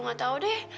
nggak tahu deh